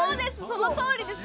そのとおりです